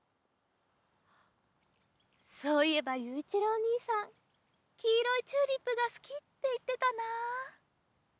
そういえばゆういちろうおにいさんきいろいチューリップがすきっていってたなあ。